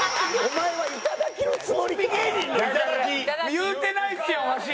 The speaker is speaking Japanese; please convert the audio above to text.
言うてないですやんわし！